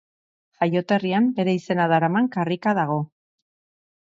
Jaioterrian bere izena daraman karrika dago.